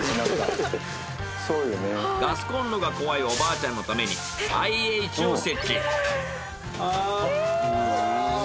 ガスコンロが怖いおばあちゃんのためにＩＨを設置。